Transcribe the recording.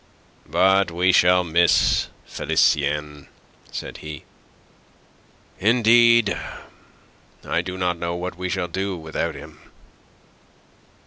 "But we shall miss Felicien," said he. "Indeed, I do not know what we shall do without him."